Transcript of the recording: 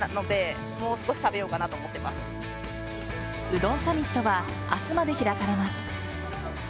うどんサミットは明日まで開かれます。